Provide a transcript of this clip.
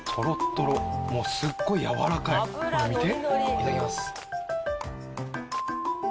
いただきます。